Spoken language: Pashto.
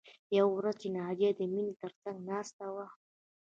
یوه ورځ چې ناجیه د مینې تر څنګ ناسته وه